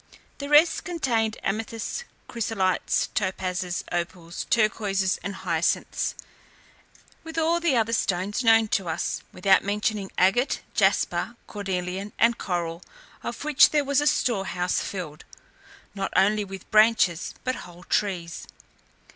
The rest contained amethysts, chrysolites, topazes, opals, turquoises, and hyacinths, with all the other stones known to us, without mentioning agate, jasper, cornelian, and coral, of which there was a store house filled, not only with branches, but whole trees.